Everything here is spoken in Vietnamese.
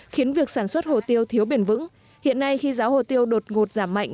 khiến việc sản xuất hồ tiêu thiếu biển vững hiện nay khi giáo hồ tiêu đột ngột giảm mạnh